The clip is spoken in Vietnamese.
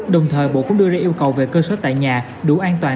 đồng thời bộ cũng đưa ra yêu cầu về cơ sở tại nhà đủ an toàn